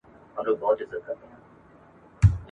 سوداګر ته پیر ویله چي هوښیار یې !.